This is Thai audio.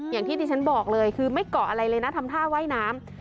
อย่างที่ดิฉันบอกเลยคือไม่เกาะอะไรเลยนะทำท่าว่ายน้ำ